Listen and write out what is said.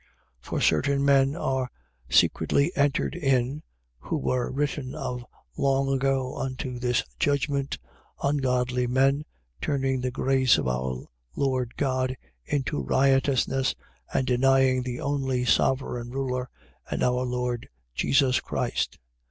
1:4. For certain men are secretly entered in (who were written of long ago unto this judgment), ungodly men, turning the grace of our Lord God into riotousness and denying the only sovereign Ruler and our Lord Jesus Christ.